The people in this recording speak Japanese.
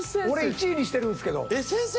俺１位にしてるんですけど。